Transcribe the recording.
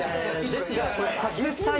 ですが。